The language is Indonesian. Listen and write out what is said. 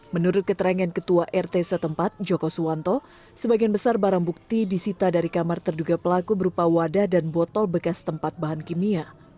menurut keterangan ketua rt setempat joko suwanto sebagian besar barang bukti disita dari kamar terduga pelaku berupa wadah dan botol bekas tempat bahan kimia